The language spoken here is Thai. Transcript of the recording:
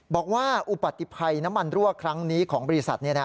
อุบัติภัยน้ำมันรั่วครั้งนี้ของบริษัท